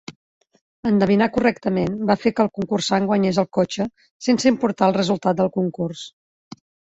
Endevinar correctament va fer que el concursant guanyés el cotxe, sense importar el resultat del concurs.